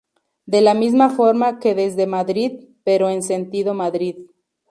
De la misma forma que desde Madrid, pero en sentido Madrid.